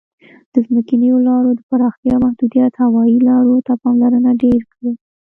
د ځمکنیو لارو د پراختیا محدودیت هوایي لارو ته پاملرنه ډېره کړې.